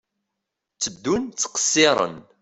Tteddun ttqesiren.